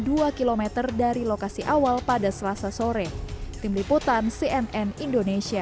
dua km dari lokasi awal pada selasa sore tim liputan cnn indonesia